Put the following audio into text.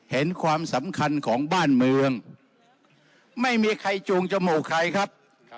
เห็นความสำคัญของบ้านเมืองไม่มีใครจูงจมูกใครครับ